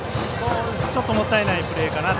ちょっともったいないプレーかな。